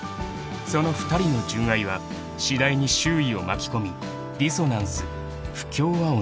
［その２人の純愛は次第に周囲を巻き込みディソナンス不協和音に］